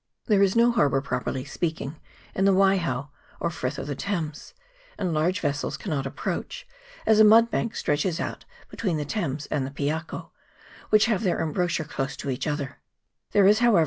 There is no harbour, properly speaking, in the Waiho, or Frith of the Thames, and large vessels cannot approach, as a mudbank stretches out be tween the Thames and the Piako, which have their embouchure close to each other : there is, however, CHAP.